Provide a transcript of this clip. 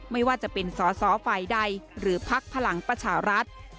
ไม่ว่าจะเป็นสอสอฝ่ายใดหรือพักพลังประชารัฐ